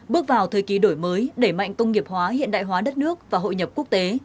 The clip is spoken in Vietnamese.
bước vào thời kỳ đổi mới đẩy mạnh công nghiệp hóa hiện đại hóa đất nước và hội nhập quốc tế